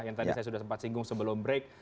yang tadi saya sudah sempat singgung sebelum break